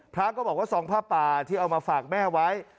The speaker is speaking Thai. พระก็บอกว่าซองผ้าป่าที่เอามาฝากแม่ไว้